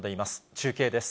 中継です。